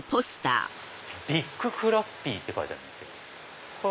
「ビッグクラッピー」って書いてありますよ。